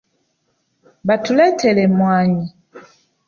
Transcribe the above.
Batuletera emmwanyi.